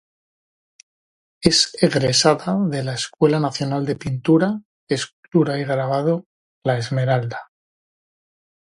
Es egresada de la Escuela Nacional de Pintura, Escultura y Grabado "La Esmeralda".